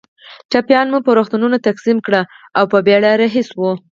ټپیان مو پر روغتونونو تقسیم کړل او په بېړه رهي شوو.